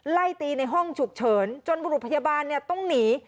ไล่ตีในห้องฉุกเฉินจนบุรุษพยาบาลต้องหนี